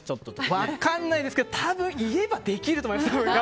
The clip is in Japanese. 分かんないですけどたぶん言えばできると思います。